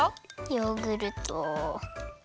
ヨーグルト。